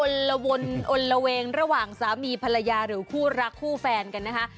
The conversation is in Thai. ละวนอนละเวงระหว่างสามีภรรยาหรือคู่รักคู่แฟนกันนะคะ